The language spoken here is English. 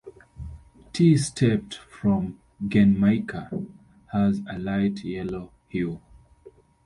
Tea steeped from genmaicha has a light yellow hue.